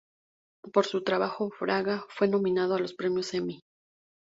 Por su trabajo Braga fue nominado a los premios Emmy.